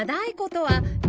はい。